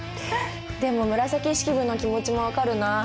でも紫式部の気持ちも分かるな。